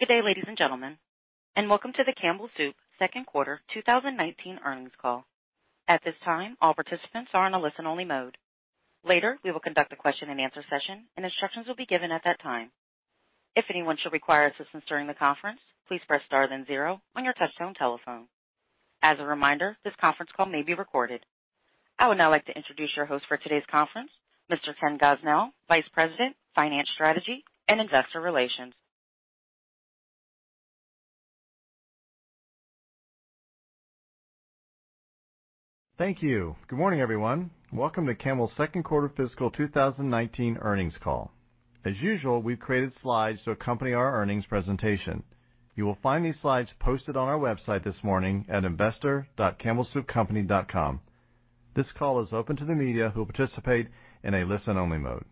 Good day, ladies and gentlemen, and welcome to the Campbell Soup second quarter 2019 earnings call. At this time, all participants are on a listen-only mode. Later, we will conduct a question and answer session, and instructions will be given at that time. If anyone should require assistance during the conference, please press star then zero on your touch-tone telephone. As a reminder, this conference call may be recorded. I would now like to introduce your host for today's conference, Mr. Ken Gosnell, Vice President, Finance Strategy and Investor Relations. Thank you. Good morning, everyone. Welcome to Campbell's second quarter fiscal 2019 earnings call. As usual, we've created slides to accompany our earnings presentation. You will find these slides posted on our website this morning at investor.campbellsoupcompany.com. This call is open to the media, who will participate in a listen-only mode.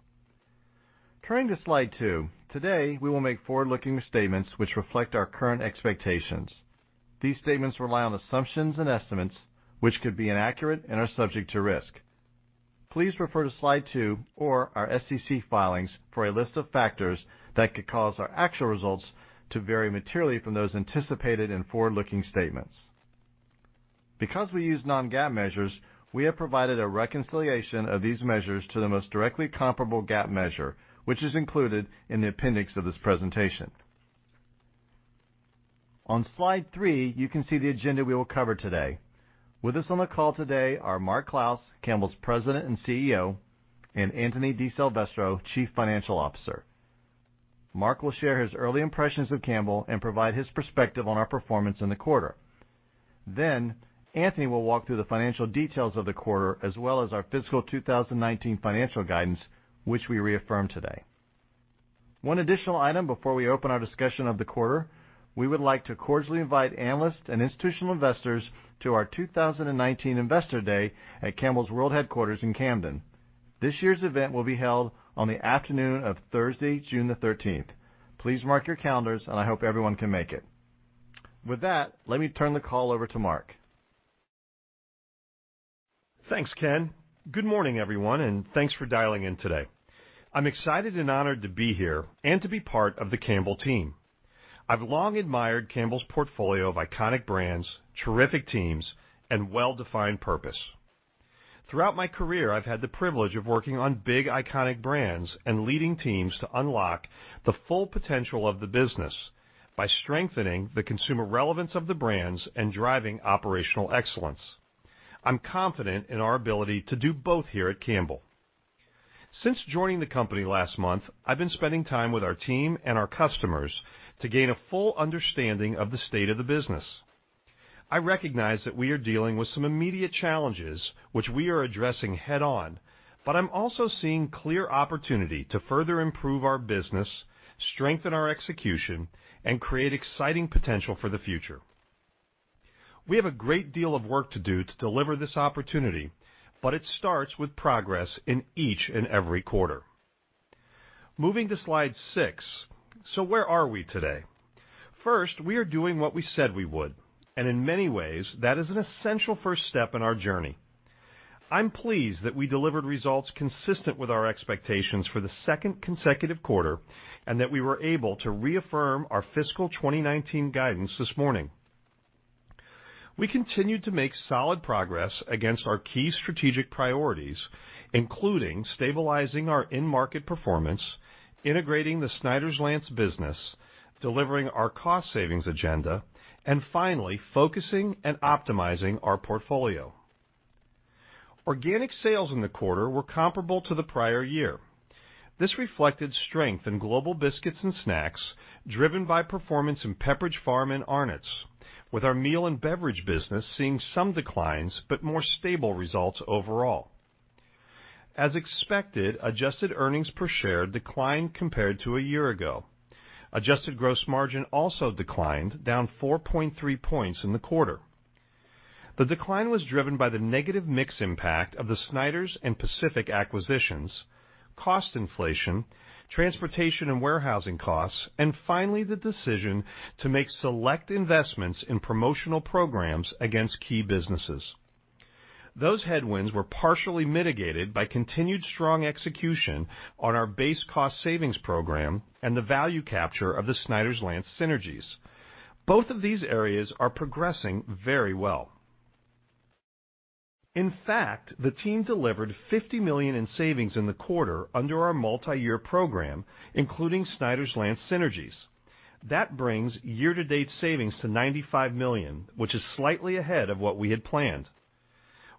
Turning to Slide two. Today, we will make forward-looking statements which reflect our current expectations. These statements rely on assumptions and estimates, which could be inaccurate and are subject to risk. Please refer to Slide two or our SEC filings for a list of factors that could cause our actual results to vary materially from those anticipated in forward-looking statements. Because we use non-GAAP measures, we have provided a reconciliation of these measures to the most directly comparable GAAP measure, which is included in the appendix of this presentation. On Slide three, you can see the agenda we will cover today. With us on the call today are Mark Clouse, Campbell's President and CEO, and Anthony DiSilvestro, Chief Financial Officer. Mark will share his early impressions of Campbell and provide his perspective on our performance in the quarter. Anthony will walk through the financial details of the quarter as well as our fiscal 2019 financial guidance, which we reaffirm today. One additional item before we open our discussion of the quarter, we would like to cordially invite analysts and institutional investors to our 2019 Investor Day at Campbell's World Headquarters in Camden. This year's event will be held on the afternoon of Thursday, June 13th. Please mark your calendars, and I hope everyone can make it. With that, let me turn the call over to Mark. Thanks, Ken. Good morning, everyone, and thanks for dialing in today. I'm excited and honored to be here and to be part of the Campbell team. I've long admired Campbell's portfolio of iconic brands, terrific teams, and well-defined purpose. Throughout my career, I've had the privilege of working on big, iconic brands and leading teams to unlock the full potential of the business by strengthening the consumer relevance of the brands and driving operational excellence. I'm confident in our ability to do both here at Campbell. Since joining the company last month, I've been spending time with our team and our customers to gain a full understanding of the state of the business. I recognize that we are dealing with some immediate challenges, which we are addressing head-on, but I'm also seeing clear opportunity to further improve our business, strengthen our execution, and create exciting potential for the future. We have a great deal of work to do to deliver this opportunity, but it starts with progress in each and every quarter. Moving to Slide 6. Where are we today? First, we are doing what we said we would, and in many ways, that is an essential first step in our journey. I'm pleased that we delivered results consistent with our expectations for the second consecutive quarter and that we were able to reaffirm our fiscal 2019 guidance this morning. We continued to make solid progress against our key strategic priorities, including stabilizing our in-market performance, integrating the Snyder's-Lance business, delivering our cost savings agenda, and finally, focusing and optimizing our portfolio. Organic sales in the quarter were comparable to the prior year. This reflected strength in global biscuits and snacks, driven by performance in Pepperidge Farm and Arnott's, with our meal and beverage business seeing some declines, but more stable results overall. As expected, adjusted earnings per share declined compared to a year ago. Adjusted gross margin also declined, down 4.3 points in the quarter. The decline was driven by the negative mix impact of the Snyder's and Pacific acquisitions, cost inflation, transportation and warehousing costs, and finally, the decision to make select investments in promotional programs against key businesses. Those headwinds were partially mitigated by continued strong execution on our base cost savings program and the value capture of the Snyder's-Lance synergies. Both of these areas are progressing very well. In fact, the team delivered $50 million in savings in the quarter under our multi-year program, including Snyder's-Lance synergies. That brings year-to-date savings to $95 million, which is slightly ahead of what we had planned.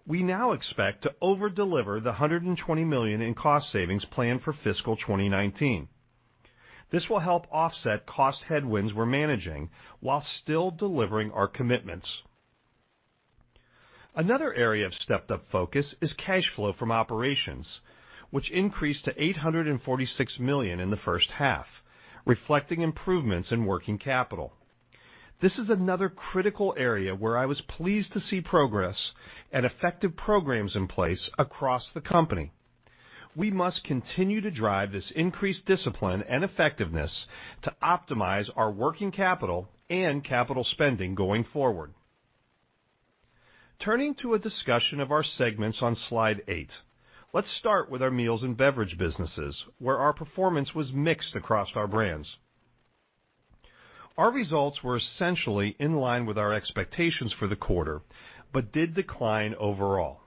We now expect to over-deliver the $120 million in cost savings planned for fiscal 2019. This will help offset cost headwinds we're managing while still delivering our commitments. Another area of stepped up focus is cash flow from operations, which increased to $846 million in the first half, reflecting improvements in working capital. This is another critical area where I was pleased to see progress and effective programs in place across the company. We must continue to drive this increased discipline and effectiveness to optimize our working capital and capital spending going forward. Turning to a discussion of our segments on slide eight. Let's start with our meals and beverage businesses, where our performance was mixed across our brands. Our results were essentially in line with our expectations for the quarter, but did decline overall.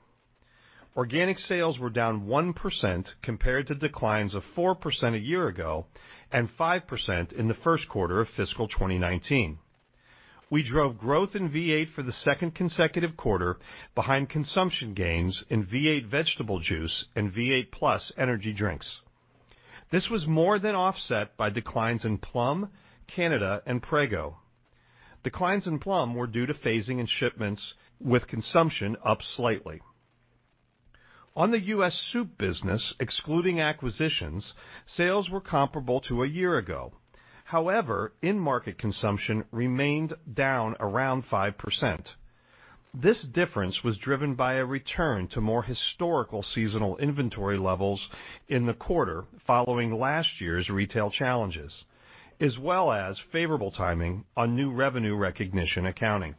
Organic sales were down 1% compared to declines of 4% a year ago and 5% in the first quarter of fiscal 2019. We drove growth in V8 for the second consecutive quarter behind consumption gains in V8 Vegetable Juice andV8 +ENERGY drinks. This was more than offset by declines in Plum, Canada, and Prego. Declines in Plum were due to phasing in shipments with consumption up slightly. On the U.S. soup business, excluding acquisitions, sales were comparable to a year ago. However, in-market consumption remained down around 5%. This difference was driven by a return to more historical seasonal inventory levels in the quarter following last year's retail challenges, as well as favorable timing on new revenue recognition accounting.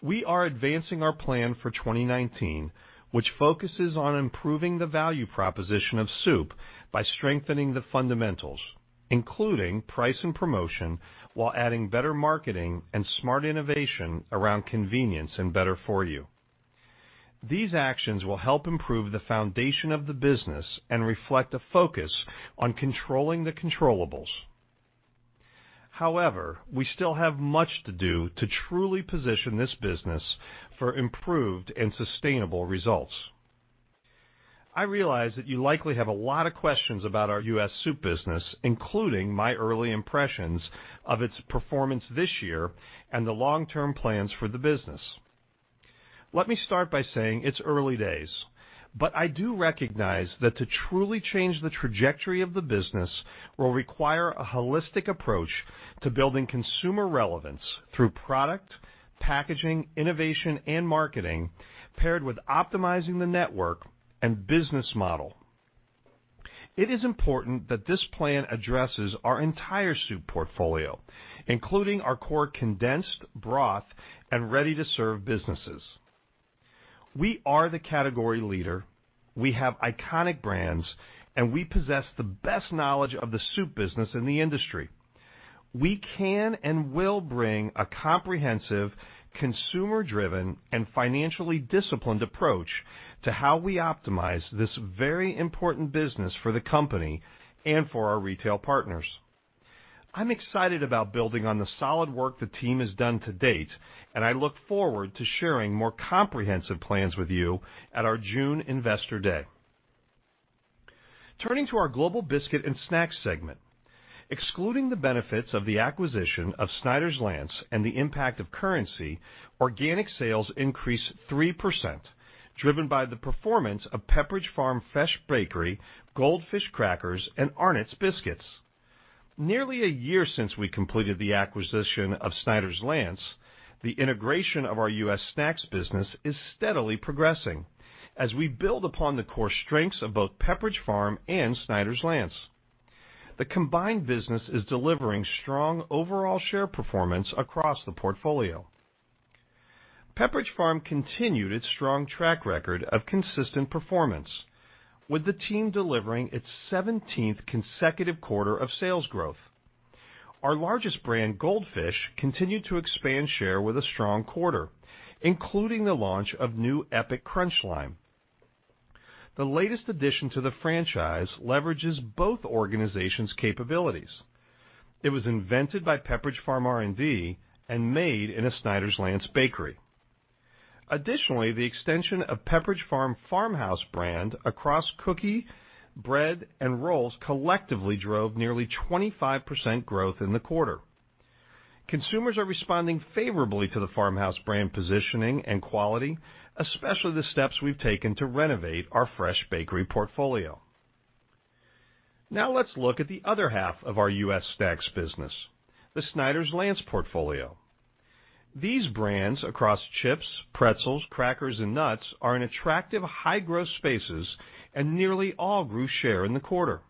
We are advancing our plan for 2019, which focuses on improving the value proposition of soup by strengthening the fundamentals, including price and promotion, while adding better marketing and smart innovation around convenience and better for you. These actions will help improve the foundation of the business and reflect a focus on controlling the controllables. However, we still have much to do to truly position this business for improved and sustainable results. I realize that you likely have a lot of questions about our U.S. soup business, including my early impressions of its performance this year and the long-term plans for the business. Let me start by saying it's early days, but I do recognize that to truly change the trajectory of the business will require a holistic approach to building consumer relevance through product, packaging, innovation, and marketing, paired with optimizing the network and business model. It is important that this plan addresses our entire soup portfolio, including our core condensed broth and ready-to-serve businesses. We are the category leader, we have iconic brands, and we possess the best knowledge of the soup business in the industry. We can and will bring a comprehensive, consumer-driven, and financially disciplined approach to how we optimize this very important business for the company and for our retail partners. I'm excited about building on the solid work the team has done to date, and I look forward to sharing more comprehensive plans with you at our June Investor Day. Turning to our global biscuit and snacks segment. Excluding the benefits of the acquisition of Snyder's-Lance and the impact of currency, organic sales increased 3%, driven by the performance of Pepperidge Farm fresh bakery, Goldfish crackers, and Arnott's biscuits. Nearly a year since we completed the acquisition of Snyder's-Lance, the integration of our U.S. snacks business is steadily progressing as we build upon the core strengths of both Pepperidge Farm and Snyder's-Lance. The combined business is delivering strong overall share performance across the portfolio. Pepperidge Farm continued its strong track record of consistent performance, with the team delivering its 17th consecutive quarter of sales growth. Our largest brand, Goldfish, continued to expand share with a strong quarter, including the launch of new Epic Crunch line. The latest addition to the franchise leverages both organizations' capabilities. It was invented by Pepperidge Farm R&D and made in a Snyder's-Lance bakery. Additionally, the extension of Pepperidge Farm Farmhouse brand across cookie, bread, and rolls collectively drove nearly 25% growth in the quarter. Consumers are responding favorably to the Farmhouse brand positioning and quality, especially the steps we've taken to renovate our fresh bakery portfolio. Let's look at the other half of our U.S. snacks business, the Snyder's-Lance portfolio. These brands across chips, pretzels, crackers, and nuts are in attractive high-growth spaces and nearly all grew share in the quarter.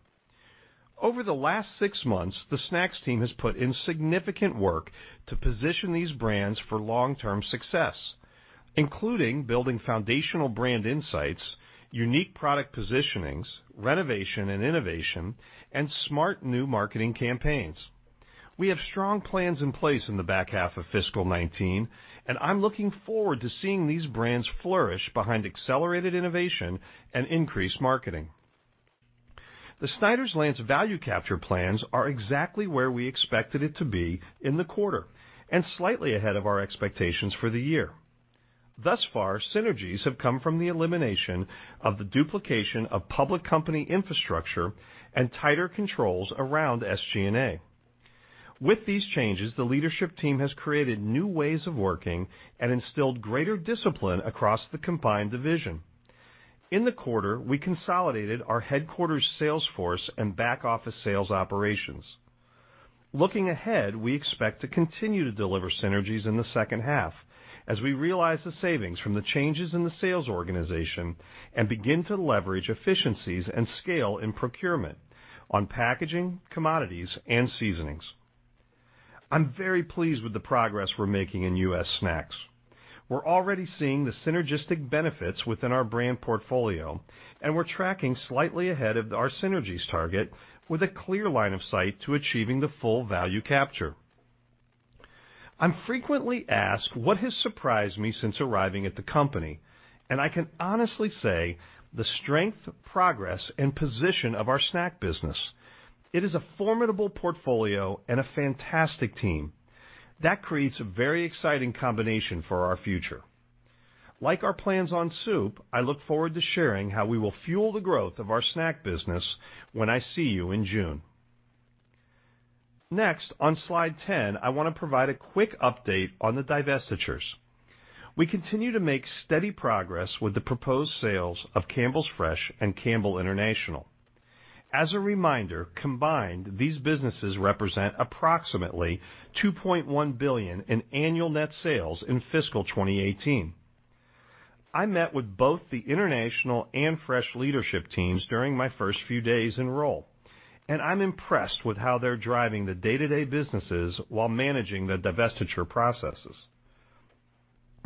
Over the last six months, the snacks team has put in significant work to position these brands for long-term success, including building foundational brand insights, unique product positionings, renovation and innovation, and smart new marketing campaigns. We have strong plans in place in the back half of fiscal 2019, and I'm looking forward to seeing these brands flourish behind accelerated innovation and increased marketing. The Snyder's-Lance value capture plans are exactly where we expected it to be in the quarter and slightly ahead of our expectations for the year. Thus far, synergies have come from the elimination of the duplication of public company infrastructure and tighter controls around SG&A. With these changes, the leadership team has created new ways of working and instilled greater discipline across the combined division. In the quarter, we consolidated our headquarters sales force and back-office sales operations. Looking ahead, we expect to continue to deliver synergies in the second half as we realize the savings from the changes in the sales organization and begin to leverage efficiencies and scale in procurement on packaging, commodities, and seasonings. I'm very pleased with the progress we're making in U.S. snacks. We're already seeing the synergistic benefits within our brand portfolio, and we're tracking slightly ahead of our synergies target with a clear line of sight to achieving the full value capture. I'm frequently asked what has surprised me since arriving at the company, and I can honestly say the strength, progress, and position of our snack business. It is a formidable portfolio and a fantastic team that creates a very exciting combination for our future. Like our plans on soup, I look forward to sharing how we will fuel the growth of our snack business when I see you in June. Next, on slide 10, I want to provide a quick update on the divestitures. We continue to make steady progress with the proposed sales of Campbell Fresh and Campbell International. As a reminder, combined, these businesses represent approximately $2.1 billion in annual net sales in fiscal 2018. I met with both the international and fresh leadership teams during my first few days in role, and I'm impressed with how they're driving the day-to-day businesses while managing the divestiture processes.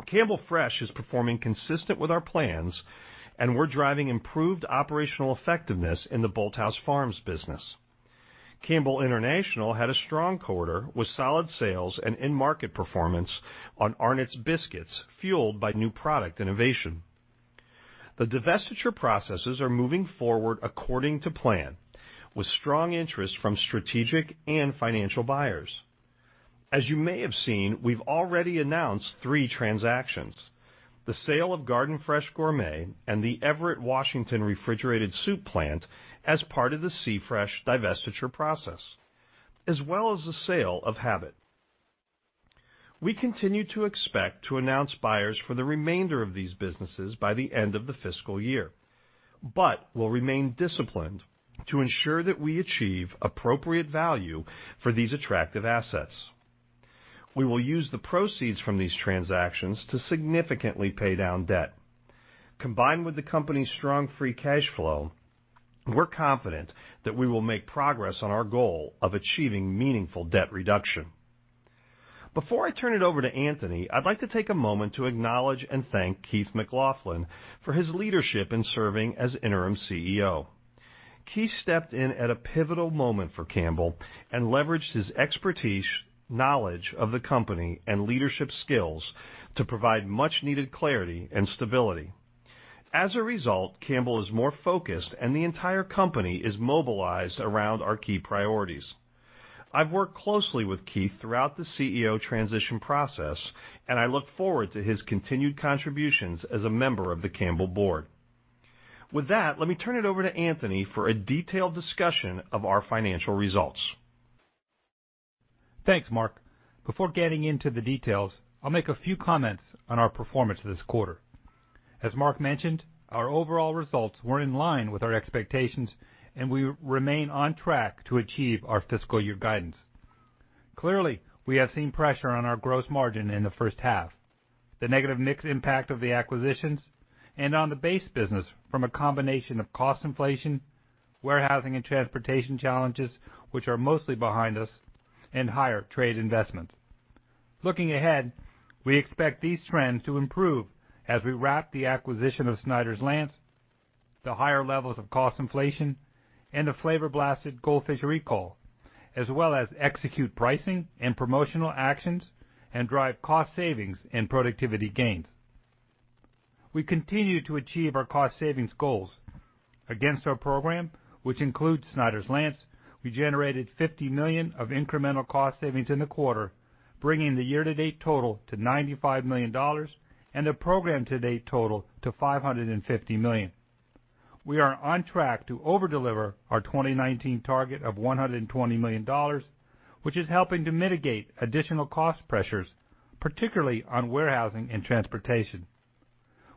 Campbell Fresh is performing consistent with our plans, and we're driving improved operational effectiveness in the Bolthouse Farms business. Campbell International had a strong quarter with solid sales and in-market performance on Arnott's Biscuits, fueled by new product innovation. The divestiture processes are moving forward according to plan, with strong interest from strategic and financial buyers. As you may have seen, we've already announced 3 transactions, the sale of Garden Fresh Gourmet and the Everett, Washington, refrigerated soup plant as part of the C-Fresh divestiture process, as well as the sale of Habit. We continue to expect to announce buyers for the remainder of these businesses by the end of the fiscal year, but will remain disciplined to ensure that we achieve appropriate value for these attractive assets. We will use the proceeds from these transactions to significantly pay down debt. Combined with the company's strong free cash flow, we're confident that we will make progress on our goal of achieving meaningful debt reduction. Before I turn it over to Anthony, I'd like to take a moment to acknowledge and thank Keith McLoughlin for his leadership in serving as Interim CEO. Keith stepped in at a pivotal moment for Campbell and leveraged his expertise, knowledge of the company, and leadership skills to provide much-needed clarity and stability. As a result, Campbell is more focused, and the entire company is mobilized around our key priorities. I've worked closely with Keith throughout the CEO transition process, and I look forward to his continued contributions as a member of the Campbell board. With that, let me turn it over to Anthony for a detailed discussion of our financial results. Thanks, Mark. Before getting into the details, I'll make a few comments on our performance this quarter. As Mark mentioned, our overall results were in line with our expectations, and we remain on track to achieve our fiscal year guidance. Clearly, we have seen pressure on our gross margin in the first half, the negative mixed impact of the acquisitions, and on the base business from a combination of cost inflation, warehousing and transportation challenges, which are mostly behind us, and higher trade investments. Looking ahead, we expect these trends to improve as we wrap the acquisition of Snyder's-Lance, the higher levels of cost inflation, and the Flavor Blasted Goldfish recall, as well as execute pricing and promotional actions and drive cost savings and productivity gains. We continue to achieve our cost savings goals. Against our program, which includes Snyder's-Lance, we generated $50 million of incremental cost savings in the quarter, bringing the year-to-date total to $95 million and the program-to-date total to $550 million. We are on track to over-deliver our 2019 target of $120 million, which is helping to mitigate additional cost pressures, particularly on warehousing and transportation.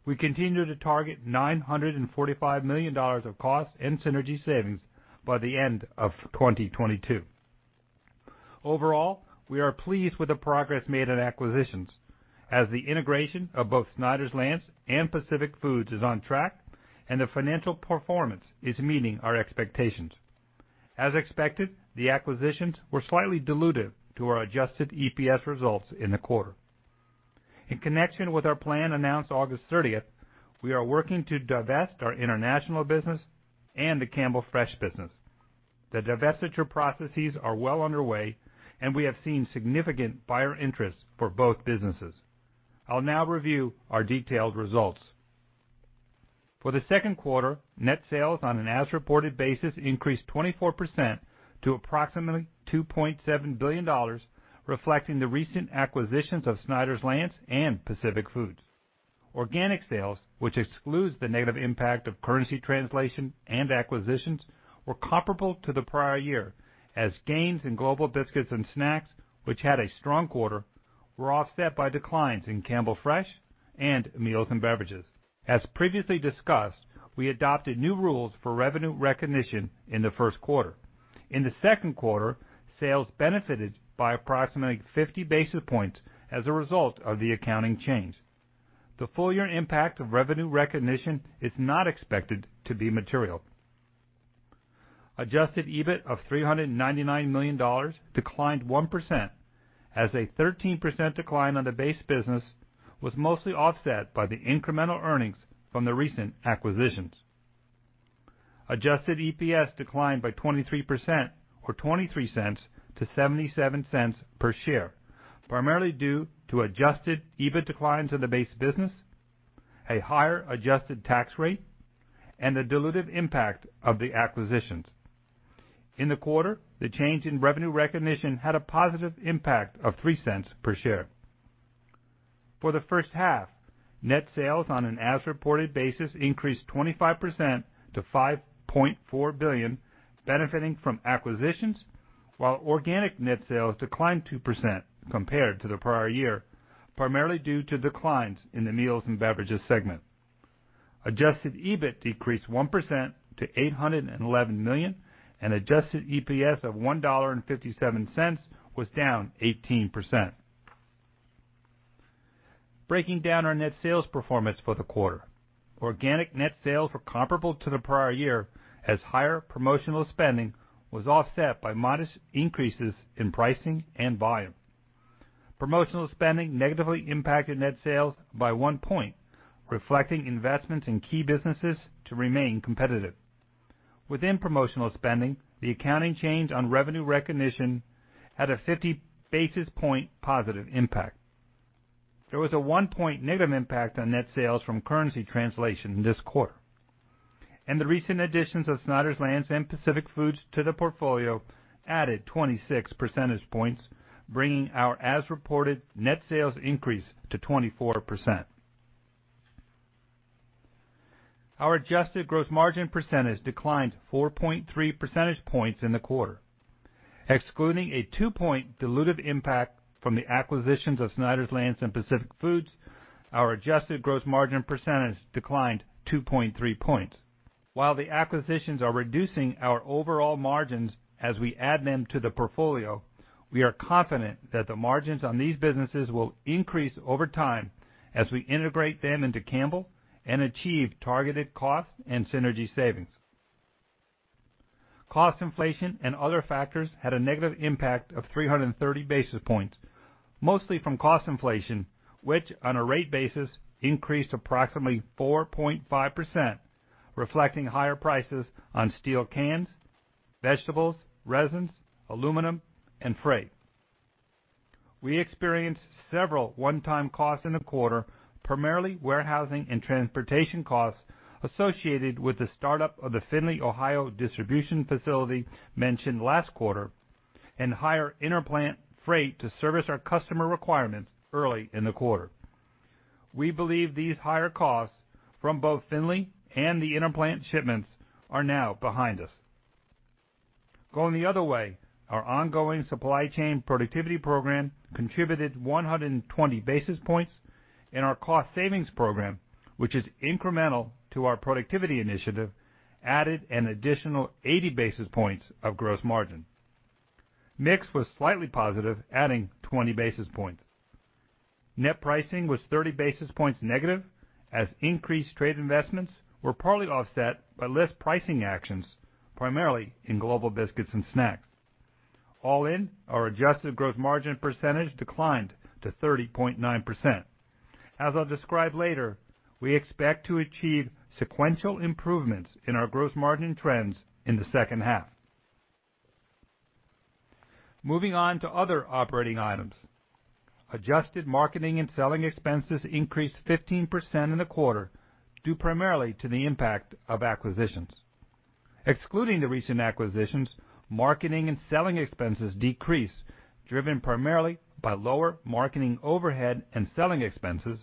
We continue to target $945 million of cost and synergy savings by the end of 2022. Overall, we are pleased with the progress made on acquisitions as the integration of both Snyder's-Lance and Pacific Foods is on track and the financial performance is meeting our expectations. As expected, the acquisitions were slightly dilutive to our adjusted EPS results in the quarter. In connection with our plan announced August 30th, we are working to divest our international business and the Campbell Fresh business. The divestiture processes are well underway. We have seen significant buyer interest for both businesses. I'll now review our detailed results. For the second quarter, net sales on an as-reported basis increased 24% to approximately $2.7 billion, reflecting the recent acquisitions of Snyder's-Lance and Pacific Foods. Organic sales, which excludes the negative impact of currency translation and acquisitions, were comparable to the prior year as gains in global biscuits and snacks, which had a strong quarter, were offset by declines in Campbell Fresh and meals and beverages. As previously discussed, we adopted new rules for revenue recognition in the first quarter. In the second quarter, sales benefited by approximately 50 basis points as a result of the accounting change. The full year impact of revenue recognition is not expected to be material. Adjusted EBIT of $399 million declined 1%, as a 13% decline on the base business was mostly offset by the incremental earnings from the recent acquisitions. Adjusted EPS declined by 23%, or $0.23 to $0.77 per share, primarily due to Adjusted EBIT declines in the base business, a higher adjusted tax rate, and the dilutive impact of the acquisitions. In the quarter, the change in revenue recognition had a positive impact of $0.03 per share. For the first half, net sales on an as-reported basis increased 25% to $5.4 billion, benefiting from acquisitions, while organic net sales declined 2% compared to the prior year, primarily due to declines in the meals and beverages segment. Adjusted EBIT decreased 1% to $811 million, and Adjusted EPS of $1.57 was down 18%. Breaking down our net sales performance for the quarter. Organic net sales were comparable to the prior year as higher promotional spending was offset by modest increases in pricing and volume. Promotional spending negatively impacted net sales by 1 point, reflecting investments in key businesses to remain competitive. Within promotional spending, the accounting change on revenue recognition had a 50 basis point positive impact. There was a 1 point negative impact on net sales from currency translation this quarter. The recent additions of Snyder's-Lance and Pacific Foods to the portfolio added 26 percentage points, bringing our as-reported net sales increase to 24%. Our adjusted gross margin percentage declined 4.3 percentage points in the quarter. Excluding a 2-point dilutive impact from the acquisitions of Snyder's-Lance and Pacific Foods, our adjusted gross margin percentage declined 2.3 points. While the acquisitions are reducing our overall margins as we add them to the portfolio, we are confident that the margins on these businesses will increase over time as we integrate them into Campbell and achieve targeted cost and synergy savings. Cost inflation and other factors had a negative impact of 330 basis points, mostly from cost inflation, which on a rate basis increased approximately 4.5%, reflecting higher prices on steel cans, vegetables, resins, aluminum, and freight. We experienced several one-time costs in the quarter, primarily warehousing and transportation costs associated with the startup of the Findlay, Ohio, distribution facility mentioned last quarter, and higher interplant freight to service our customer requirements early in the quarter. We believe these higher costs from both Findlay and the interplant shipments are now behind us. Going the other way, our ongoing supply chain productivity program contributed 120 basis points, and our cost savings program, which is incremental to our productivity initiative, added an additional 80 basis points of gross margin. Mix was slightly positive, adding 20 basis points. Net pricing was 30 basis points negative, as increased trade investments were partly offset by less pricing actions, primarily in global biscuits and snacks. All in, our adjusted gross margin percentage declined to 30.9%. As I'll describe later, we expect to achieve sequential improvements in our gross margin trends in the second half. Moving on to other operating items. Adjusted marketing and selling expenses increased 15% in the quarter due primarily to the impact of acquisitions. Excluding the recent acquisitions, marketing and selling expenses decreased, driven primarily by lower marketing overhead and selling expenses,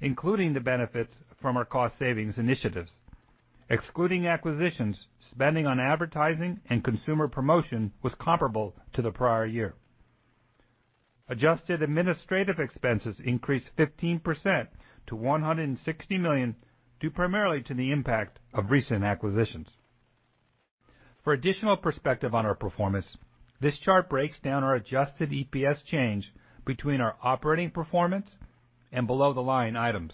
including the benefits from our cost savings initiatives. Excluding acquisitions, spending on advertising and consumer promotion was comparable to the prior year. Adjusted administrative expenses increased 15% to $160 million due primarily to the impact of recent acquisitions. For additional perspective on our performance, this chart breaks down our adjusted EPS change between our operating performance and below-the-line items.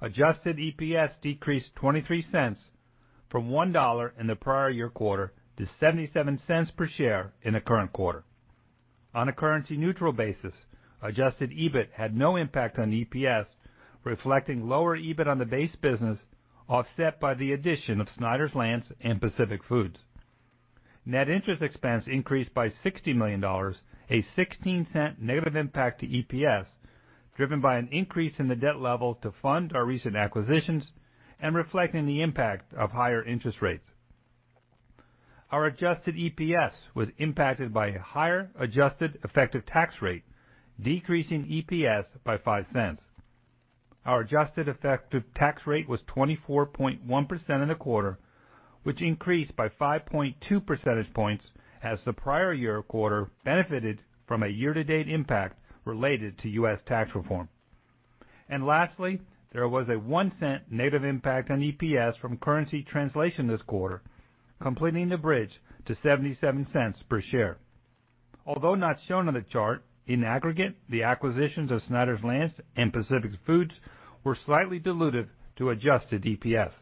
Adjusted EPS decreased $0.23 from $1 in the prior year quarter to $0.77 per share in the current quarter. On a currency-neutral basis, adjusted EBIT had no impact on EPS, reflecting lower EBIT on the base business, offset by the addition of Snyder's-Lance and Pacific Foods. Net interest expense increased by $60 million, a $0.16 negative impact to EPS, driven by an increase in the debt level to fund our recent acquisitions and reflecting the impact of higher interest rates. Our adjusted EPS was impacted by a higher adjusted effective tax rate, decreasing EPS by $0.05. Our adjusted effective tax rate was 24.1% in the quarter, which increased by 5.2 percentage points as the prior year quarter benefited from a year-to-date impact related to U.S. tax reform. Lastly, there was a $0.01 negative impact on EPS from currency translation this quarter, completing the bridge to $0.77 per share. Although not shown on the chart, in aggregate, the acquisitions of Snyder's-Lance and Pacific Foods were slightly dilutive to adjusted EPS.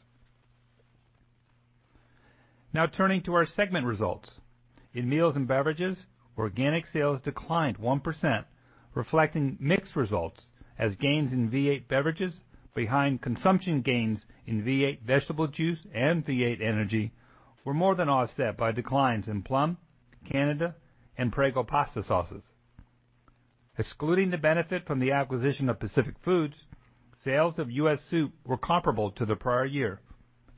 Turning to our segment results. In Meals and Beverages, organic sales declined 1%, reflecting mixed results as gains in V8 Beverages behind consumption gains in V8 Vegetable Juice and V8 +ENERGY were more than offset by declines in Plum, Canada, and Prego pasta sauces. Excluding the benefit from the acquisition of Pacific Foods, sales of U.S. soup were comparable to the prior year,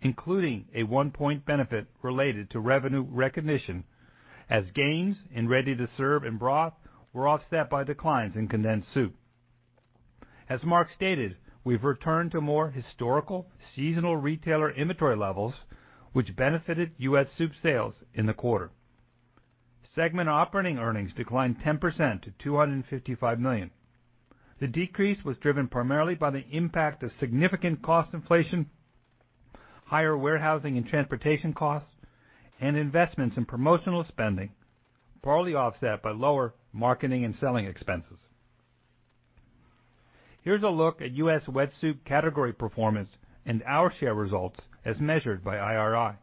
including a 1-point benefit related to revenue recognition, as gains in ready-to-serve and broth were offset by declines in condensed soup. As Mark stated, we've returned to more historical seasonal retailer inventory levels, which benefited U.S. soup sales in the quarter. Segment operating earnings declined 10% to $255 million. The decrease was driven primarily by the impact of significant cost inflation, higher warehousing and transportation costs, and investments in promotional spending, partly offset by lower marketing and selling expenses. Here's a look at U.S. wet soup category performance and our share results as measured by IRI.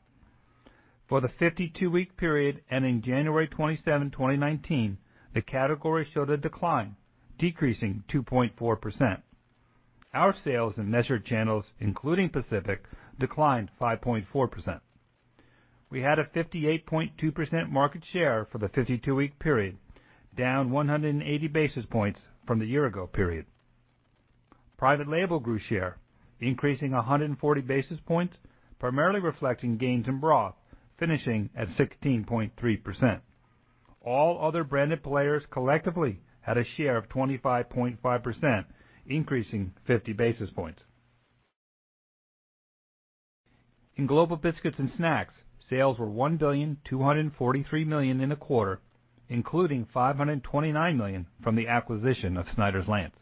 For the 52-week period ending January 27, 2019, the category showed a decline, decreasing 2.4%. Our sales in measured channels, including Pacific, declined 5.4%. We had a 58.2% market share for the 52-week period, down 180 basis points from the year-ago period. Private label grew share, increasing 140 basis points, primarily reflecting gains in broth, finishing at 16.3%. All other branded players collectively had a share of 25.5%, increasing 50 basis points. In Global Biscuits and Snacks, sales were $1.243 billion in the quarter, including $529 million from the acquisition of Snyder's-Lance.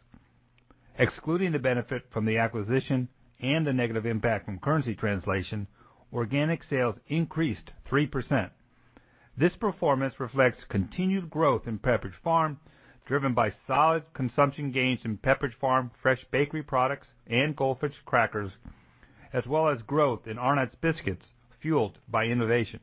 Excluding the benefit from the acquisition and the negative impact from currency translation, organic sales increased 3%. This performance reflects continued growth in Pepperidge Farm, driven by solid consumption gains in Pepperidge Farm fresh bakery products and Goldfish crackers, as well as growth in Arnott's biscuits fueled by innovation.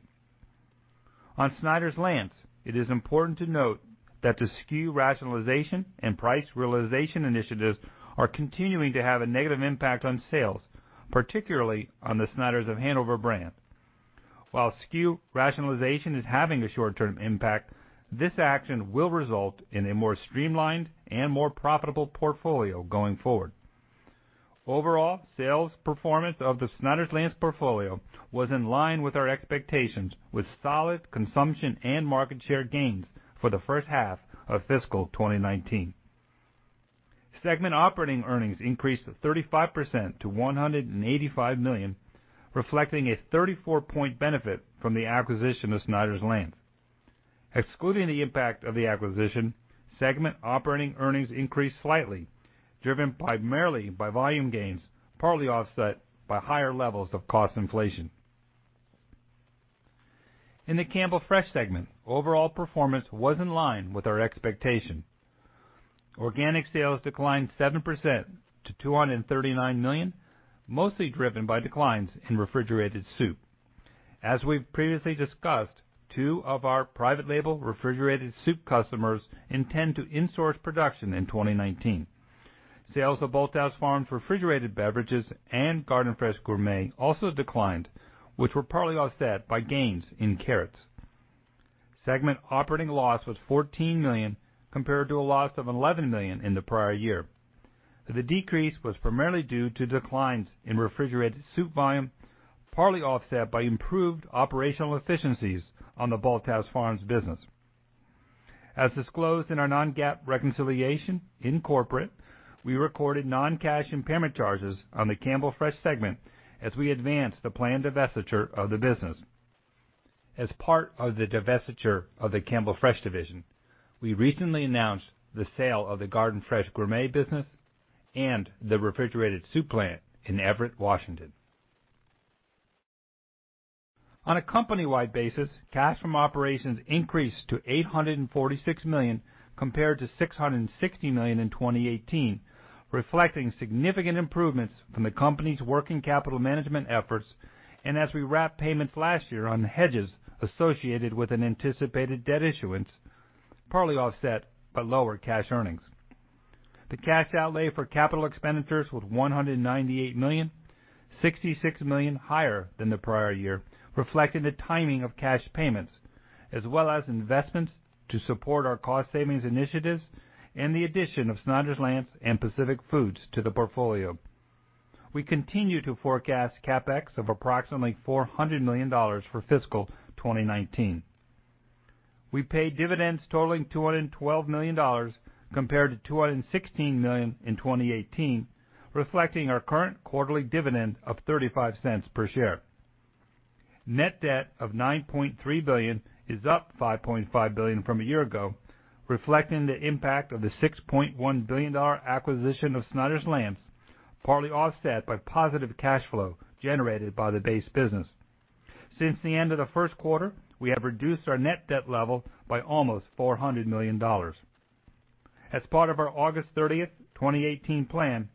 On Snyder's-Lance, it is important to note that the SKU rationalization and price realization initiatives are continuing to have a negative impact on sales, particularly on the Snyder's of Hanover brand. While SKU rationalization is having a short-term impact, this action will result in a more streamlined and more profitable portfolio going forward. Overall, sales performance of the Snyder's-Lance portfolio was in line with our expectations, with solid consumption and market share gains for the first half of fiscal 2019. Segment operating earnings increased 35% to $185 million, reflecting a 34-point benefit from the acquisition of Snyder's-Lance. Excluding the impact of the acquisition, segment operating earnings increased slightly, driven primarily by volume gains, partly offset by higher levels of cost inflation. In the Campbell Fresh segment, overall performance was in line with our expectation. Organic sales declined 7% to $239 million, mostly driven by declines in refrigerated soup. As we've previously discussed, two of our private label refrigerated soup customers intend to in-source production in 2019. Sales of Bolthouse Farms refrigerated beverages and Garden Fresh Gourmet also declined, which were partly offset by gains in carrots. Segment operating loss was $14 million, compared to a loss of $11 million in the prior year. The decrease was primarily due to declines in refrigerated soup volume, partly offset by improved operational efficiencies on the Bolthouse Farms business. As disclosed in our non-GAAP reconciliation in Corporate, we recorded non-cash impairment charges on the Campbell Fresh segment as we advance the planned divestiture of the business. As part of the divestiture of the Campbell Fresh division, we recently announced the sale of the Garden Fresh Gourmet business and the refrigerated soup plant in Everett, Washington. On a company-wide basis, cash from operations increased to $846 million compared to $660 million in 2018, reflecting significant improvements from the company's working capital management efforts and as we wrapped payments last year on hedges associated with an anticipated debt issuance, partly offset by lower cash earnings. The cash outlay for capital expenditures was $198 million, $66 million higher than the prior year, reflecting the timing of cash payments as well as investments to support our cost savings initiatives and the addition of Snyder's-Lance and Pacific Foods to the portfolio. We continue to forecast CapEx of approximately $400 million for fiscal 2019. We paid dividends totaling $212 million compared to $216 million in 2018, reflecting our current quarterly dividend of $0.35 per share. Net debt of $9.3 billion is up $5.5 billion from a year ago, reflecting the impact of the $6.1 billion acquisition of Snyder's-Lance. Partly offset by positive cash flow generated by the base business. Since the end of the first quarter, we have reduced our net debt level by almost $400 million. As part of our August 30th, 2018 plan,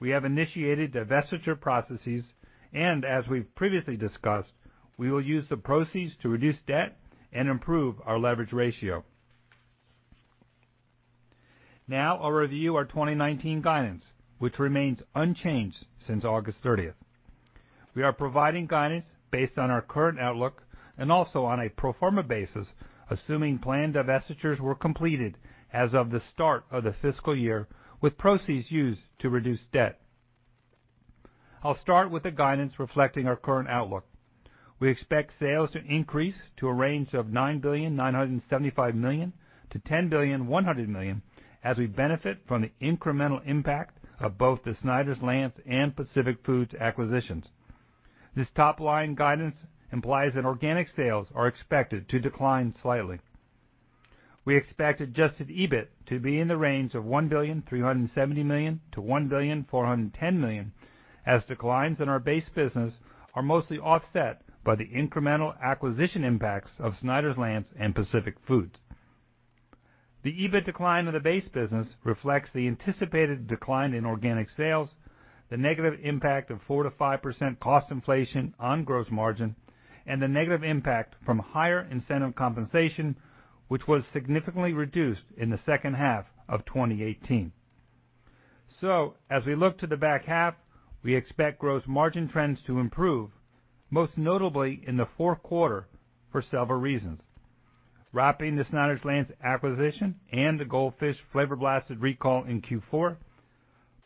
we have initiated divestiture processes and as we've previously discussed, we will use the proceeds to reduce debt and improve our leverage ratio. I'll review our 2019 guidance, which remains unchanged since August 30th. We are providing guidance based on our current outlook and also on a pro forma basis, assuming planned divestitures were completed as of the start of the fiscal year, with proceeds used to reduce debt. I'll start with the guidance reflecting our current outlook. We expect sales to increase to a range of $9.975 billion-$10.1 billion as we benefit from the incremental impact of both the Snyder's-Lance and Pacific Foods acquisitions. This top-line guidance implies that organic sales are expected to decline slightly. We expect adjusted EBIT to be in the range of $1.37 billion-$1.41 billion, as declines in our base business are mostly offset by the incremental acquisition impacts of Snyder's-Lance and Pacific Foods. The EBIT decline of the base business reflects the anticipated decline in organic sales, the negative impact of 4%-5% cost inflation on gross margin, and the negative impact from higher incentive compensation, which was significantly reduced in the second half of 2018. As we look to the back half, we expect gross margin trends to improve, most notably in the fourth quarter for several reasons. Wrapping the Snyder's-Lance acquisition and the Goldfish Flavor Blasted recall in Q4,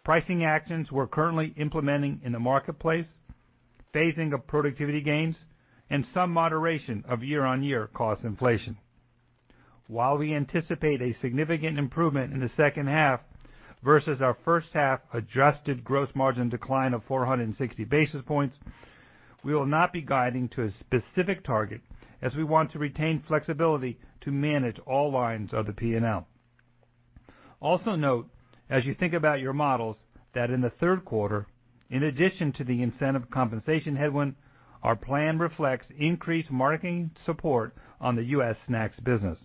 pricing actions we're currently implementing in the marketplace, phasing of productivity gains, and some moderation of year-on-year cost inflation. While we anticipate a significant improvement in the second half versus our first half adjusted gross margin decline of 460 basis points, we will not be guiding to a specific target as we want to retain flexibility to manage all lines of the P&L. Also note, as you think about your models, that in the third quarter, in addition to the incentive compensation headwind, our plan reflects increased marketing support on the U.S. snacks business.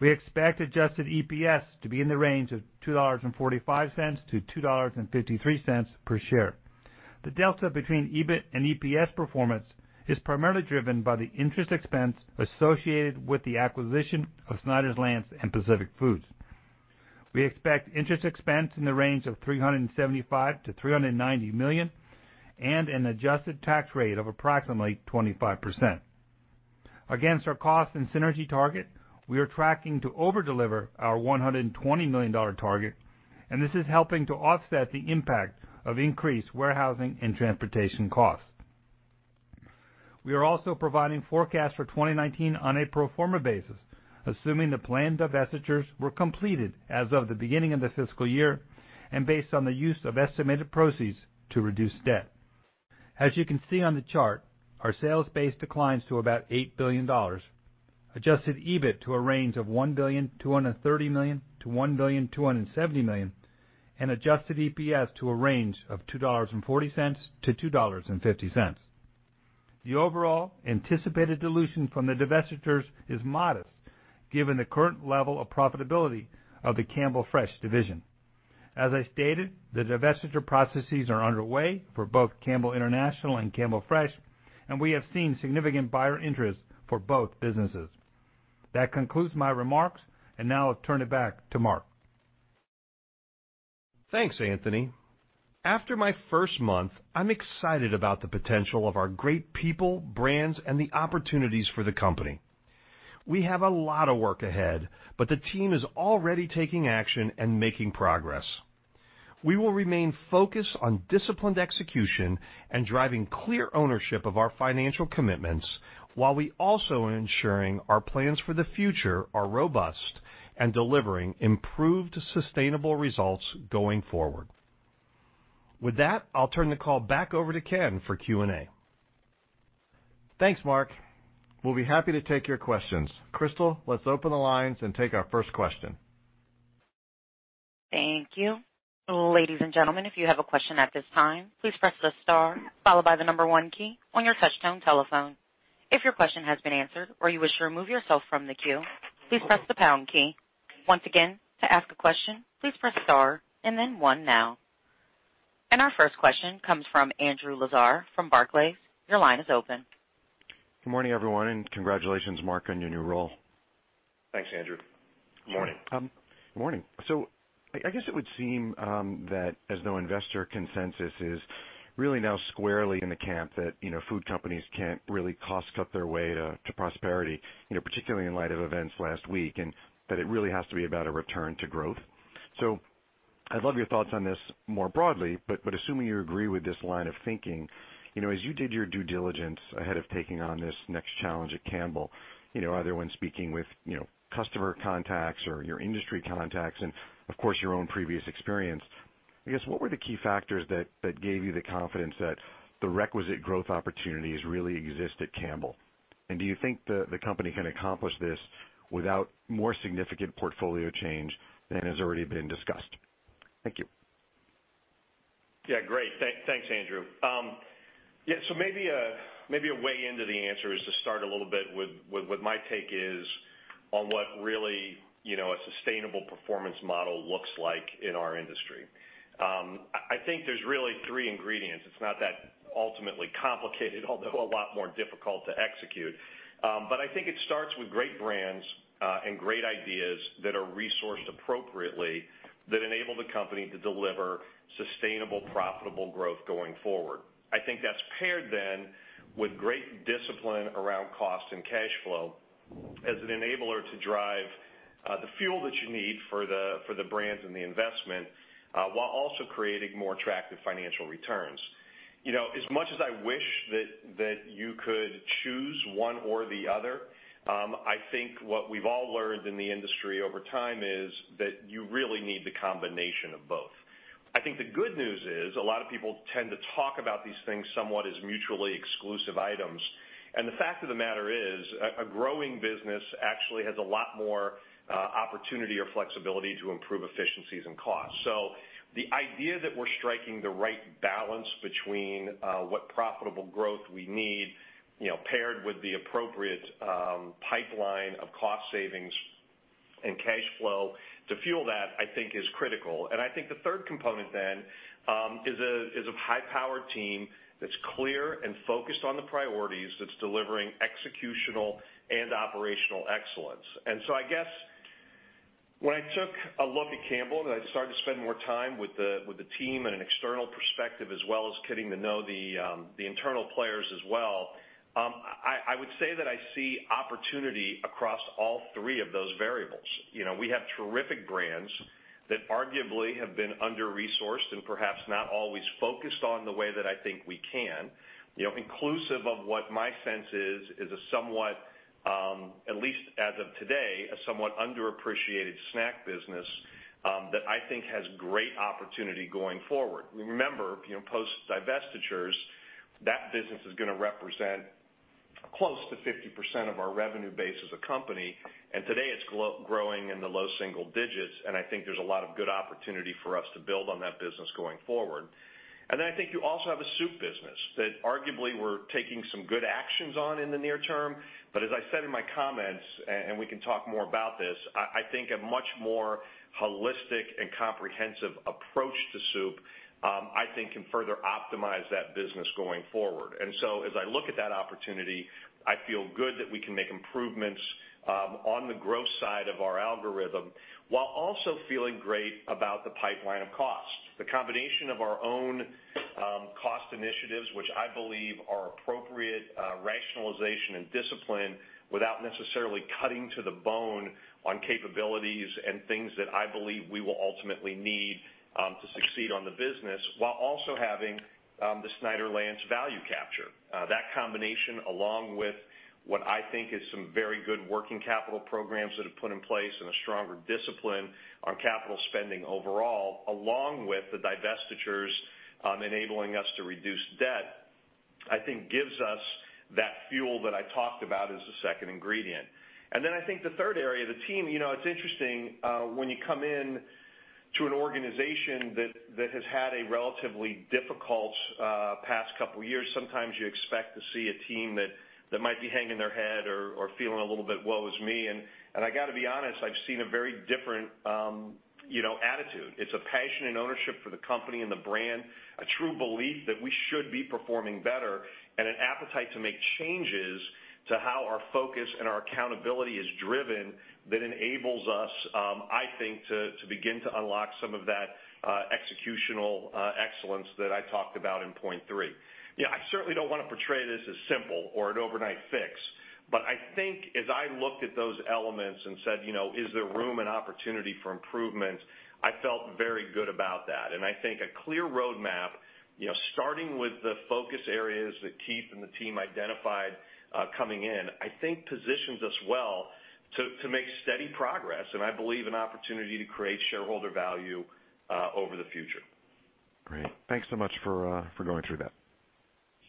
We expect adjusted EPS to be in the range of $2.45-$2.53 per share. The delta between EBIT and EPS performance is primarily driven by the interest expense associated with the acquisition of Snyder's-Lance and Pacific Foods. We expect interest expense in the range of $375 million-$390 million and an adjusted tax rate of approximately 25%. Against our cost and synergy target, we are tracking to over-deliver our $120 million target, and this is helping to offset the impact of increased warehousing and transportation costs. We are also providing forecasts for 2019 on a pro forma basis, assuming the planned divestitures were completed as of the beginning of the fiscal year and based on the use of estimated proceeds to reduce debt. As you can see on the chart, our sales base declines to about $8 billion, adjusted EBIT to a range of $1.23 billion-$1.27 billion, and adjusted EPS to a range of $2.40-$2.50. The overall anticipated dilution from the divestitures is modest given the current level of profitability of the Campbell Fresh division. As I stated, the divestiture processes are underway for both Campbell International and Campbell Fresh, and we have seen significant buyer interest for both businesses. That concludes my remarks, and now I'll turn it back to Mark. Thanks, Anthony. After my first month, I'm excited about the potential of our great people, brands, and the opportunities for the company. We have a lot of work ahead, but the team is already taking action and making progress. We will remain focused on disciplined execution and driving clear ownership of our financial commitments while we also are ensuring our plans for the future are robust and delivering improved, sustainable results going forward. With that, I'll turn the call back over to Ken for Q&A. Thanks, Mark. We'll be happy to take your questions. Crystal, let's open the lines and take our first question. Thank you. Ladies and gentlemen, if you have a question at this time, please press the star followed by the number 1 key on your touchtone telephone. If your question has been answered or you wish to remove yourself from the queue, please press the pound key. Once again, to ask a question, please press star and then one now. Our first question comes from Andrew Lazar from Barclays. Your line is open. Good morning, everyone, and congratulations, Mark, on your new role. Thanks, Andrew. Good morning. Good morning. I guess it would seem that as though investor consensus is really now squarely in the camp that food companies can't really cost cut their way to prosperity, particularly in light of events last week, that it really has to be about a return to growth. I'd love your thoughts on this more broadly, but assuming you agree with this line of thinking, as you did your due diligence ahead of taking on this next challenge at Campbell, either when speaking with customer contacts or your industry contacts and of course your own previous experience, I guess, what were the key factors that gave you the confidence that the requisite growth opportunities really exist at Campbell? Do you think the company can accomplish this without more significant portfolio change than has already been discussed? Thank you. Great. Thanks, Andrew. Maybe a way into the answer is to start a little bit with what my take is on what really a sustainable performance model looks like in our industry. I think there's really three ingredients. It's not that ultimately complicated, although a lot more difficult to execute. I think it starts with great brands, great ideas that are resourced appropriately, that enable the company to deliver sustainable, profitable growth going forward. I think that's paired then with great discipline around cost and cash flow as an enabler to drive the fuel that you need for the brands and the investment, while also creating more attractive financial returns. As much as I wish that you could choose one or the other, I think what we've all learned in the industry over time is that you really need the combination of both. I think the good news is, a lot of people tend to talk about these things somewhat as mutually exclusive items, the fact of the matter is, a growing business actually has a lot more opportunity or flexibility to improve efficiencies and costs. The idea that we're striking the right balance between what profitable growth we need, paired with the appropriate pipeline of cost savings and cash flow to fuel that, I think is critical. I think the third component then, is a high-powered team that's clear and focused on the priorities, that's delivering executional and operational excellence. I guess when I took a look at Campbell, I started to spend more time with the team an external perspective, as well as getting to know the internal players as well, I would say that I see opportunity across all three of those variables. We have terrific brands that arguably have been under-resourced perhaps not always focused on the way that I think we can. Inclusive of what my sense is a somewhat, at least as of today, a somewhat underappreciated snack business, that I think has great opportunity going forward. Remember, post-divestitures, that business is going to represent close to 50% of our revenue base as a company, today it's growing in the low single digits, I think there's a lot of good opportunity for us to build on that business going forward. I think you also have a soup business that arguably we're taking some good actions on in the near term. As I said in my comments, we can talk more about this, I think a much more holistic and comprehensive approach to soup, I think can further optimize that business going forward. As I look at that opportunity, I feel good that we can make improvements on the growth side of our algorithm, while also feeling great about the pipeline of costs. The combination of our own cost initiatives, which I believe are appropriate rationalization and discipline without necessarily cutting to the bone on capabilities and things that I believe we will ultimately need to succeed on the business, while also having the Snyder's-Lance value capture. That combination, along with what I think is some very good working capital programs that have put in place and a stronger discipline on capital spending overall, along with the divestitures enabling us to reduce debt, I think gives us that fuel that I talked about as the second ingredient. I think the third area, the team, it's interesting, when you come into an organization that has had a relatively difficult past couple years, sometimes you expect to see a team that might be hanging their head or feeling a little bit woe is me, and I got to be honest, I've seen a very different attitude. It's a passion and ownership for the company and the brand, a true belief that we should be performing better, and an appetite to make changes to how our focus and our accountability is driven that enables us, I think, to begin to unlock some of that executional excellence that I talked about in point three. I certainly don't want to portray this as simple or an overnight fix, but I think as I looked at those elements and said, "Is there room and opportunity for improvement?" I felt very good about that. I think a clear roadmap starting with the focus areas that Keith and the team identified, coming in, I think positions us well to make steady progress, and I believe an opportunity to create shareholder value over the future. Great. Thanks so much for going through that.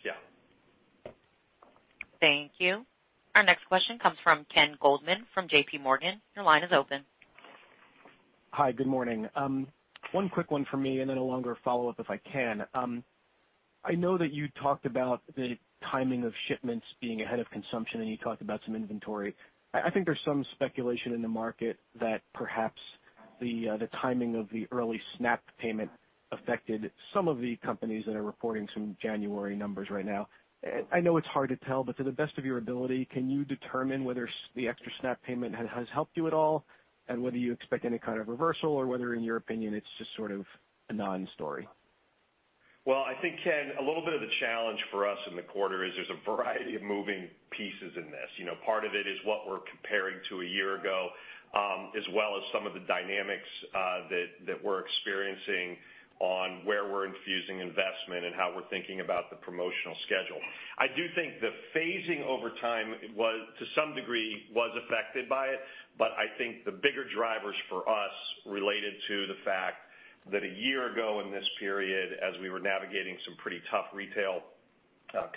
Yeah. Thank you. Our next question comes from Ken Goldman from JPMorgan. Your line is open. Hi. Good morning. One quick one for me, and then a longer follow-up if I can. I know that you talked about the timing of shipments being ahead of consumption, and you talked about some inventory. I think there's some speculation in the market that perhaps the timing of the early SNAP payment affected some of the companies that are reporting some January numbers right now. I know it's hard to tell, but to the best of your ability, can you determine whether the extra SNAP payment has helped you at all, and whether you expect any kind of reversal or whether, in your opinion, it's just sort of a non-story? Well, I think, Ken, a little bit of the challenge for us in the quarter is there's a variety of moving pieces in this. Part of it is what we're comparing to a year ago, as well as some of the dynamics that we're experiencing on where we're infusing investment and how we're thinking about the promotional schedule. I do think the phasing over time, to some degree, was affected by it, but I think the bigger drivers for us related to the fact that a year ago in this period, as we were navigating some pretty tough retail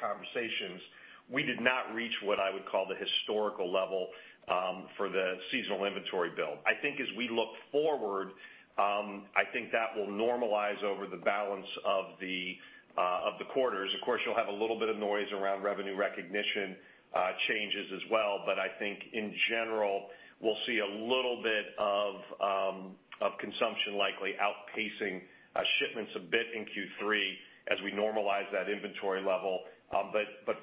conversations, we did not reach what I would call the historical level for the seasonal inventory build. I think as we look forward, I think that will normalize over the balance of the quarters. Of course, you'll have a little bit of noise around revenue recognition changes as well. I think in general, we'll see a little bit of consumption likely outpacing shipments a bit in Q3 as we normalize that inventory level.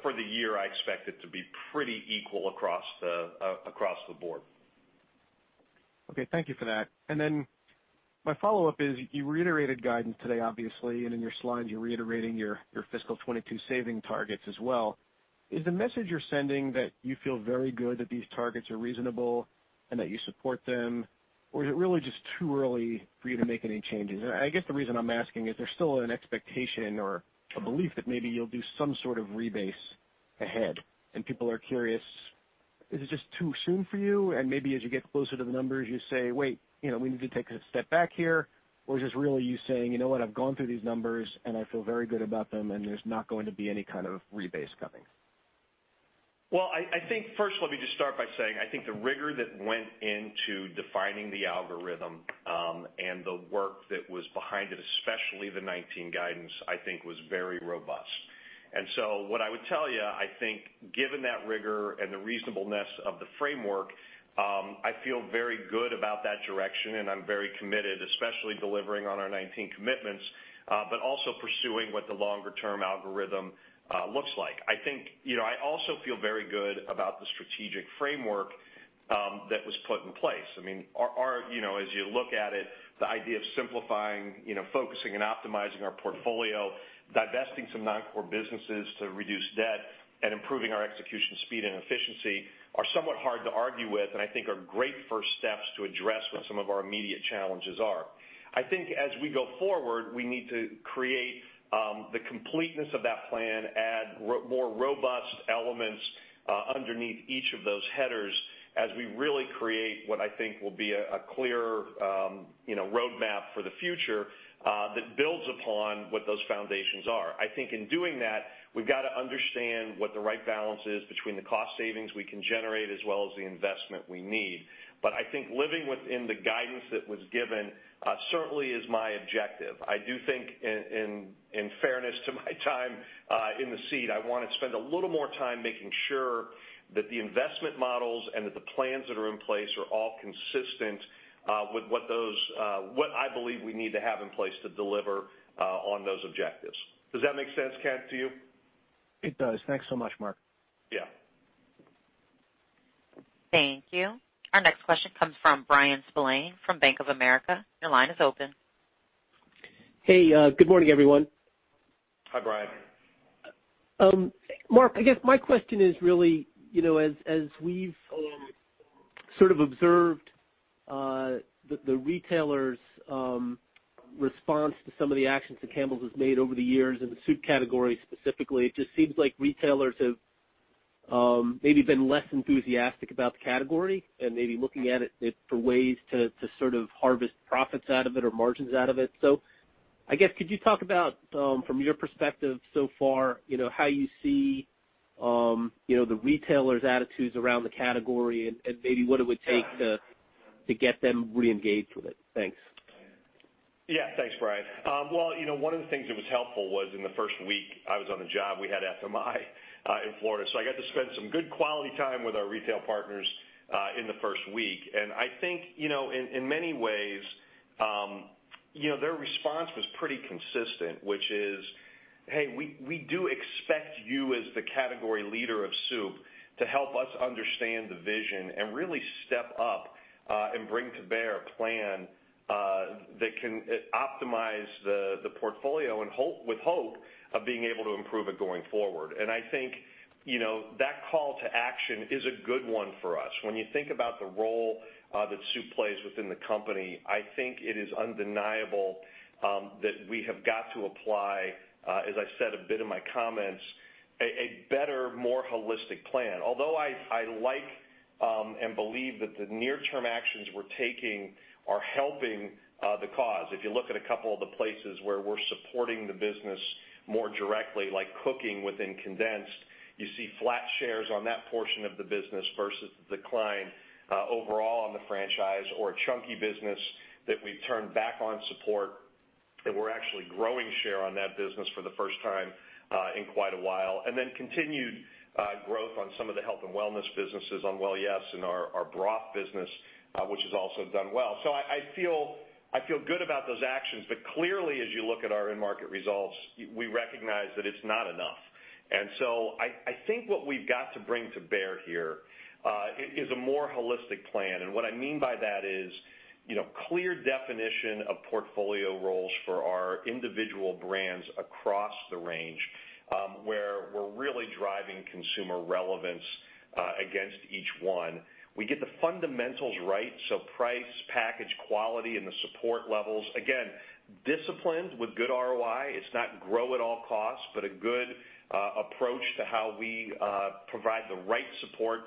For the year, I expect it to be pretty equal across the board. Okay. Thank you for that. My follow-up is, you reiterated guidance today, obviously, and in your slides, you're reiterating your fiscal 2022 saving targets as well. Is the message you're sending that you feel very good that these targets are reasonable and that you support them? Or is it really just too early for you to make any changes? I guess the reason I'm asking is there's still an expectation or a belief that maybe you'll do some sort of rebase ahead, and people are curious, is it just too soon for you? Maybe as you get closer to the numbers, you say, "Wait, we need to take a step back here." Or is this really you saying, "You know what? I've gone through these numbers, and I feel very good about them, and there's not going to be any kind of rebase coming. Well, I think first, let me just start by saying, I think the rigor that went into defining the algorithm, and the work that was behind it, especially the 2019 guidance, I think was very robust. What I would tell you, I think given that rigor and the reasonableness of the framework, I feel very good about that direction, and I'm very committed, especially delivering on our 2019 commitments, but also pursuing what the longer-term algorithm looks like. I also feel very good about the strategic framework that was put in place. As you look at it, the idea of simplifying, focusing and optimizing our portfolio, divesting some non-core businesses to reduce debt, and improving our execution speed and efficiency are somewhat hard to argue with, and I think are great first steps to address what some of our immediate challenges are. I think as we go forward, we need to create the completeness of that plan, add more robust elements underneath each of those headers as we really create what I think will be a clear roadmap for the future, that builds upon what those foundations are. I think in doing that, we've got to understand what the right balance is between the cost savings we can generate as well as the investment we need. I think living within the guidance that was given certainly is my objective. I do think in fairness to my time in the seat, I want to spend a little more time making sure that the investment models and that the plans that are in place are all consistent with what I believe we need to have in place to deliver on those objectives. Does that make sense, Ken, to you? It does. Thanks so much, Mark. Yeah. Thank you. Our next question comes from Bryan Spillane from Bank of America. Your line is open. Hey, good morning, everyone. Hi, Bryan. Mark, I guess my question is really, as we've sort of observed the retailers' response to some of the actions that Campbell's has made over the years in the soup category specifically, it just seems like retailers have maybe been less enthusiastic about the category and maybe looking at it for ways to sort of harvest profits out of it or margins out of it. I guess, could you talk about, from your perspective so far, how you see the retailers' attitudes around the category and maybe what it would take to get them re-engaged with it? Thanks. Yeah. Thanks, Bryan. Well, one of the things that was helpful was in the first week I was on the job, we had FMI in Florida, so I got to spend some good quality time with our retail partners in the first week. I think, in many ways, their response was pretty consistent, which is, "Hey, we do expect you as the category leader of soup to help us understand the vision and really step up, and bring to bear a plan that can optimize the portfolio and with hope of being able to improve it going forward." I think, that call to action is a good one for us. When you think about the role that soup plays within the company, I think it is undeniable that we have got to apply, as I said a bit in my comments, a better, more holistic plan. Although I like and believe that the near-term actions we're taking are helping the cause. If you look at a couple of the places where we're supporting the business more directly, like cooking within condensed, you see flat shares on that portion of the business versus decline overall on the franchise or chunky business that we've turned back on support, and we're actually growing share on that business for the first time in quite a while. Then continued growth on some of the health and wellness businesses on Well Yes! and our broth business, which has also done well. I feel good about those actions, but clearly, as you look at our end market results, we recognize that it's not enough. I think what we've got to bring to bear here, is a more holistic plan. What I mean by that is clear definition of portfolio roles for our individual brands across the range, where we're really driving consumer relevance against each one. We get the fundamentals right, so price, package, quality, and the support levels. Again, disciplined with good ROI. It's not grow at all costs, but a good approach to how we provide the right support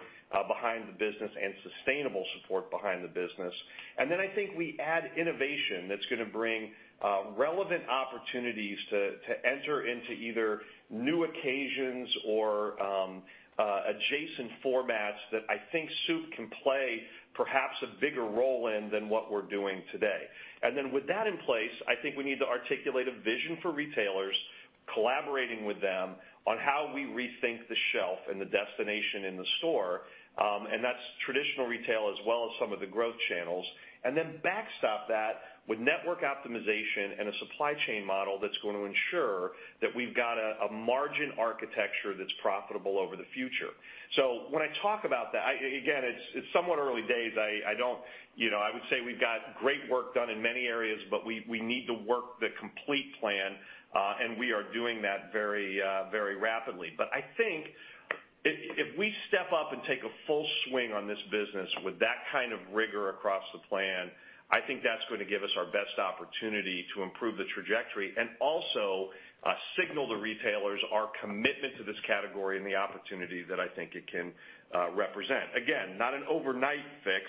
behind the business and sustainable support behind the business. Then I think we add innovation that's going to bring relevant opportunities to enter into either new occasions or adjacent formats that I think soup can play perhaps a bigger role in than what we're doing today. With that in place, I think we need to articulate a vision for retailers collaborating with them on how we rethink the shelf and the destination in the store, and that's traditional retail as well as some of the growth channels. Backstop that with network optimization and a supply chain model that's going to ensure that we've got a margin architecture that's profitable over the future. When I talk about that, again, it's somewhat early days. I would say we've got great work done in many areas, but we need to work the complete plan, and we are doing that very rapidly. I think if we step up and take a full swing on this business with that kind of rigor across the plan, I think that's going to give us our best opportunity to improve the trajectory and also signal to retailers our commitment to this category and the opportunity that I think it can represent. Again, not an overnight fix,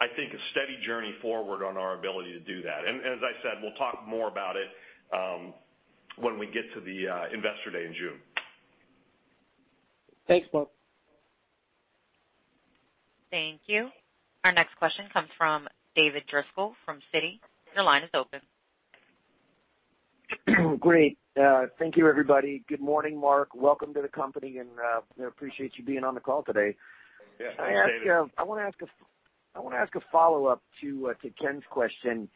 I think a steady journey forward on our ability to do that. As I said, we'll talk more about it when we get to the Investor Day in June. Thanks, Mark. Thank you. Our next question comes from David Driscoll from Citi. Your line is open. Great. Thank you, everybody. Good morning, Mark. Welcome to the company, I appreciate you being on the call today. Yeah. David. I want to ask a follow-up to Ken's question.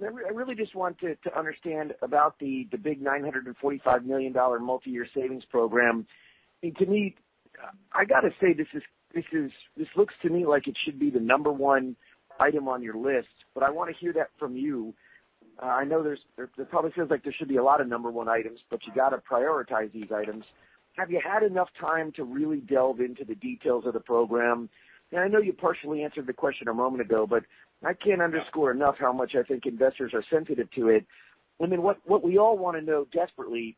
I really just want to understand about the big $945 million multi-year savings program. I got to say, this looks to me like it should be the number 1 item on your list, but I want to hear that from you. It probably seems like there should be a lot of number 1 items, but you got to prioritize these items. Have you had enough time to really delve into the details of the program? I know you partially answered the question a moment ago, but I can't underscore enough how much I think investors are sensitive to it. What we all want to know desperately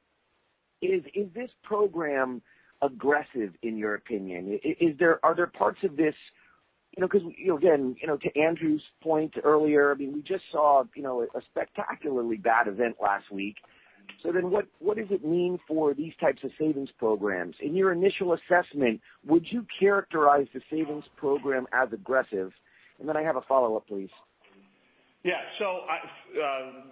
is this program aggressive in your opinion? Again, to Andrew's point earlier, we just saw a spectacularly bad event last week. What does it mean for these types of savings programs? In your initial assessment, would you characterize the savings program as aggressive? I have a follow-up, please. Yeah.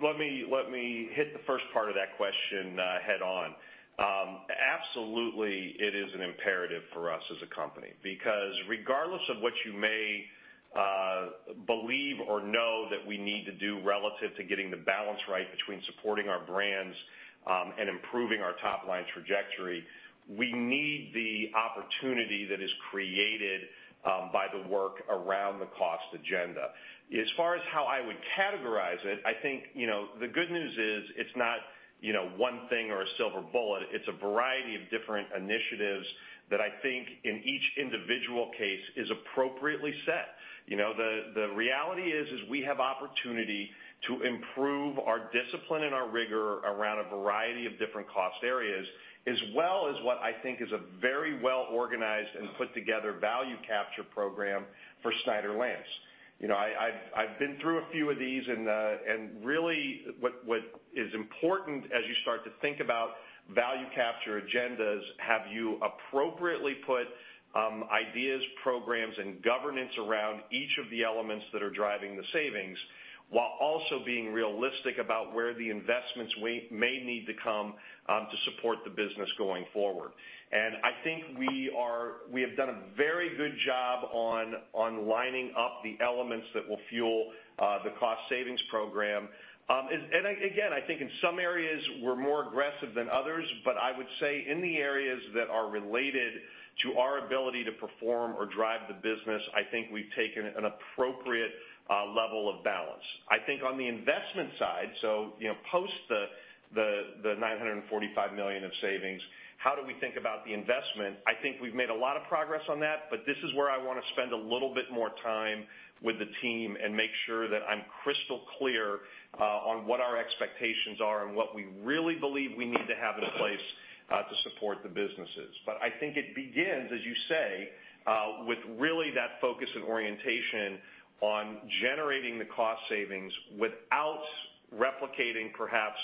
Let me hit the first part of that question head-on. Absolutely, it is an imperative for us as a company, because regardless of what you may believe or know that we need to do relative to getting the balance right between supporting our brands and improving our top-line trajectory, we need the opportunity that is created by the work around the cost agenda. As far as how I would categorize it, I think, the good news is it's not one thing or a silver bullet. It's a variety of different initiatives that I think in each individual case is appropriately set. The reality is we have opportunity to improve our discipline and our rigor around a variety of different cost areas, as well as what I think is a very well-organized and put-together value capture program for Snyder's-Lance. I've been through a few of these. Really, what is important as you start to think about value capture agendas, have you appropriately put ideas, programs, and governance around each of the elements that are driving the savings while also being realistic about where the investments may need to come to support the business going forward. I think we have done a very good job on lining up the elements that will fuel the cost savings program. Again, I think in some areas, we're more aggressive than others, but I would say in the areas that are related to our ability to perform or drive the business, I think we've taken an appropriate level of balance. I think on the investment side, post the $945 million of savings, how do we think about the investment? I think we've made a lot of progress on that. This is where I want to spend a little bit more time with the team and make sure that I'm crystal clear on what our expectations are and what we really believe we need to have in place to support the businesses. I think it begins, as you say, with really that focus and orientation on generating the cost savings without replicating perhaps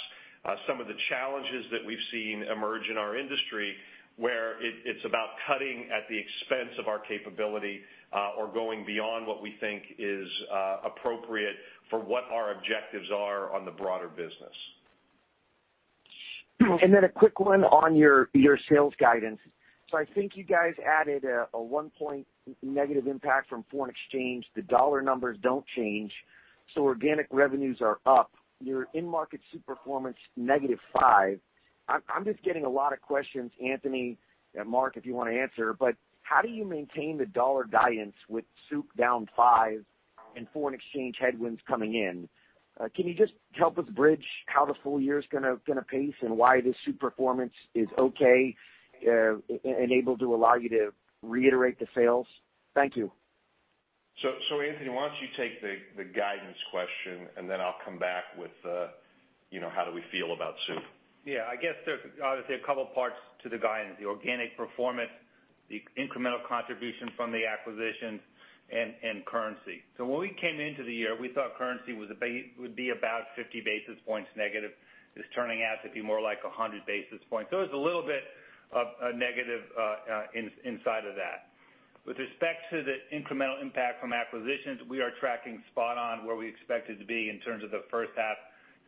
some of the challenges that we've seen emerge in our industry, where it's about cutting at the expense of our capability or going beyond what we think is appropriate for what our objectives are on the broader business. A quick one on your sales guidance. I think you guys added a 1-point negative impact from foreign exchange. The dollar numbers don't change, organic revenues are up. Your in-market soup performance, -5%. I'm just getting a lot of questions, Anthony and Mark, if you want to answer, but how do you maintain the dollar guidance with soup down 5% and foreign exchange headwinds coming in? Can you just help us bridge how the full year's going to pace and why this soup performance is okay and able to allow you to reiterate the sales? Thank you. Anthony, why don't you take the guidance question. Then I'll come back with how do we feel about soup. There are obviously a couple of parts to the guidance, the organic performance, the incremental contribution from the acquisitions, and currency. When we came into the year, we thought currency would be about 50 basis points negative. It is turning out to be more like 100 basis points. There is a little bit of a negative inside of that. With respect to the incremental impact from acquisitions, we are tracking spot on where we expected to be in terms of the first half,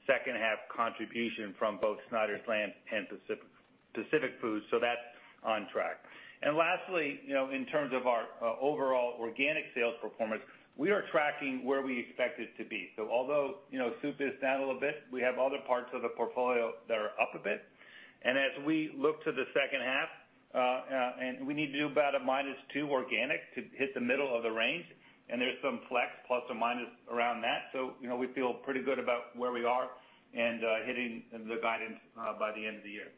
second half contribution from both Snyder's-Lance and Pacific Foods, so that is on track. Lastly, in terms of our overall organic sales performance, we are tracking where we expect it to be. Although soup is down a little bit, we have other parts of the portfolio that are up a bit. As we look to the second half, we need to do about a minus two organic to hit the middle of the range, and there is some flex plus or minus around that. We feel pretty good about where we are and hitting the guidance by the end of the year.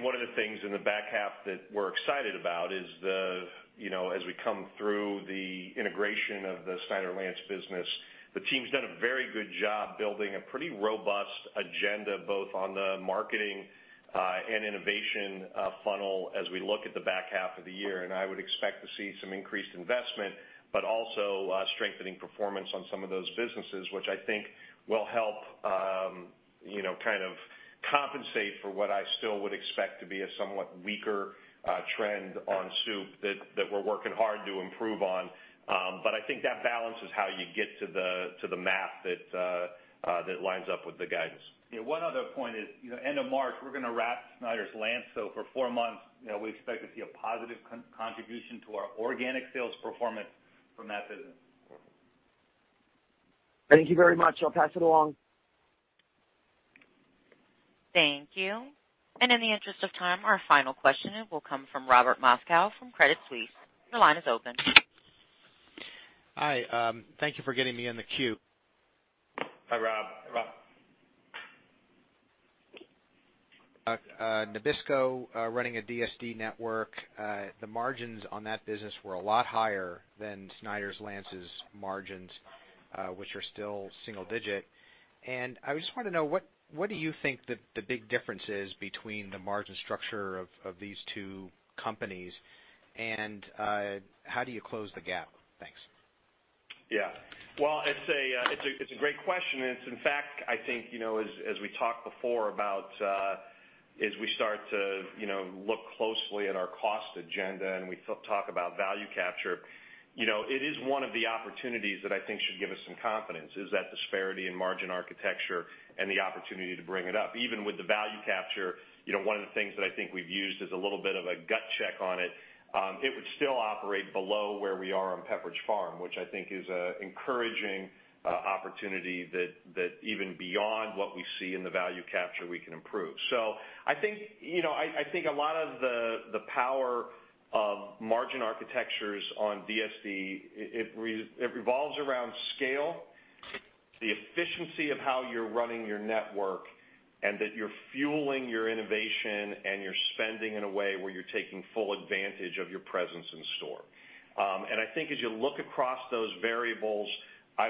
One of the things in the back half that we are excited about is as we come through the integration of the Snyder's-Lance business, the team has done a very good job building a pretty robust agenda, both on the marketing and innovation funnel as we look at the back half of the year. I would expect to see some increased investment, but also strengthening performance on some of those businesses, which I think will help kind of compensate for what I still would expect to be a somewhat weaker trend on soup that we are working hard to improve on. I think that balance is how you get to the math that lines up with the guidance. One other point is, end of March, we are going to wrap Snyder's-Lance. For four months, we expect to see a positive contribution to our organic sales performance from that business. Thank you very much. I'll pass it along. Thank you. In the interest of time, our final question will come from Robert Moskow from Credit Suisse. Your line is open. Hi, thank you for getting me in the queue. Hi, Rob. Hi, Rob. Nabisco, running a DSD network, the margins on that business were a lot higher than Snyder's-Lance's margins, which are still single digit. I just want to know what do you think the big difference is between the margin structure of these two companies, and how do you close the gap? Thanks. Yeah. Well, it's a great question, it's in fact, I think, as we talked before about, as we start to look closely at our cost agenda and we talk about value capture, it is one of the opportunities that I think should give us some confidence, is that disparity in margin architecture and the opportunity to bring it up. Even with the value capture, one of the things that I think we've used as a little bit of a gut check on it would still operate below where we are on Pepperidge Farm, which I think is an encouraging opportunity that even beyond what we see in the value capture, we can improve. I think a lot of the power of margin architectures on DSD, it revolves around scale, the efficiency of how you're running your network, and that you're fueling your innovation and your spending in a way where you're taking full advantage of your presence in store. I think as you look across those variables, I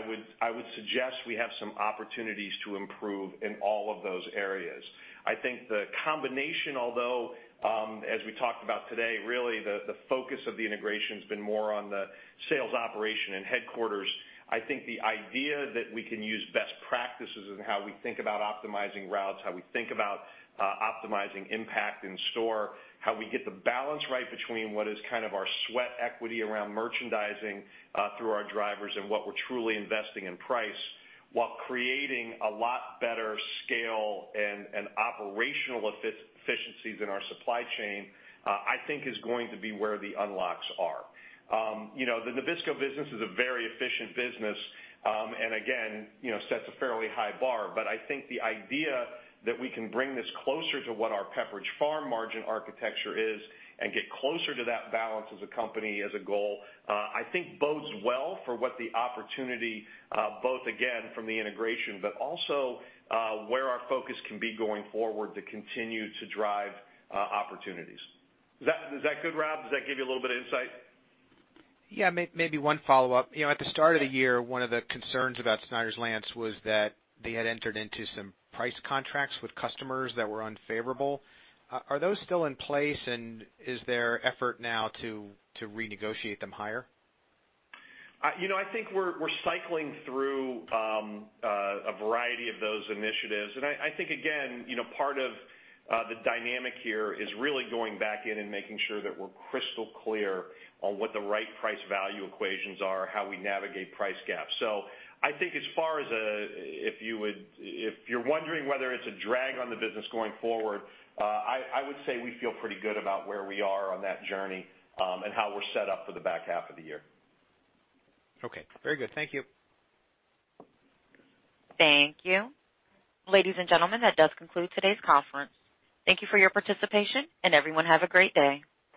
would suggest we have some opportunities to improve in all of those areas. I think the combination, although, as we talked about today, really the focus of the integration's been more on the sales operation and headquarters. I think the idea that we can use best practices in how we think about optimizing routes, how we think about optimizing impact in store, how we get the balance right between what is kind of our sweat equity around merchandising through our drivers and what we're truly investing in price, while creating a lot better scale and operational efficiencies in our supply chain, I think is going to be where the unlocks are. The Nabisco business is a very efficient business, and again, sets a fairly high bar. I think the idea that we can bring this closer to what our Pepperidge Farm margin architecture is and get closer to that balance as a company, as a goal, I think bodes well for what the opportunity, both, again, from the integration, but also where our focus can be going forward to continue to drive opportunities. Is that good, Rob? Does that give you a little bit of insight? Maybe one follow-up. At the start of the year, one of the concerns about Snyder's-Lance was that they had entered into some price contracts with customers that were unfavorable. Are those still in place, and is there effort now to renegotiate them higher? I think we're cycling through a variety of those initiatives. I think, again, part of the dynamic here is really going back in and making sure that we're crystal clear on what the right price value equations are, how we navigate price gaps. I think as far as if you're wondering whether it's a drag on the business going forward, I would say we feel pretty good about where we are on that journey, and how we're set up for the back half of the year. Okay. Very good. Thank you. Thank you. Ladies and gentlemen, that does conclude today's conference. Thank you for your participation, and everyone have a great day.